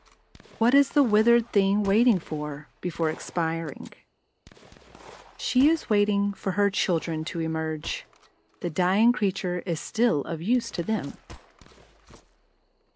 What is the withered thing waiting for, before expiring? She is waiting for her children to emerge; the dying creature is still of use to them.